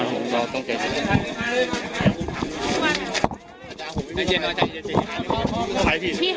มีทุกส์ตากาวไหม